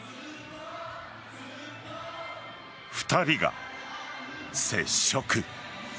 ２人が接触。